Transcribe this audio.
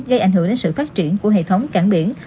gây ảnh hưởng đến sự phát triển của hệ thống cảng biển